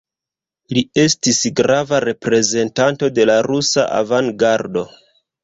Li estis grava reprezentanto de la rusa avangardo.